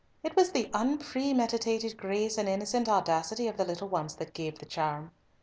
"It was the unpremeditated grace and innocent audacity of the little ones that gave the charm.